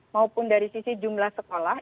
maupun dari sisi jumlah sekolah